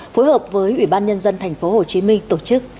phối hợp với ủy ban nhân dân thành phố hồ chí minh tổ chức